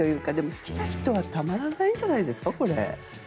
これ、好きな人はたまらないんじゃないですか？